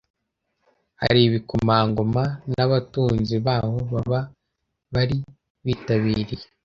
hari ibikomangoma, n’abatunzi baho bakaba bari bitabiriye.